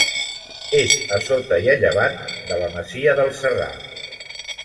És a sota i a llevant de la masia del Serrà.